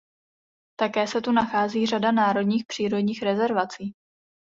Také se tu nachází řada národních přírodních rezervací.